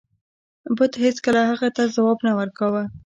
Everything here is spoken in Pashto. بت هیڅکله هغه ته ځواب نه ورکاو.